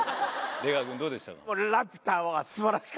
出川君、どうでしたか？